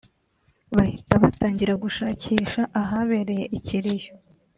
bahita batangira gushakisha ahabereye ikiriyo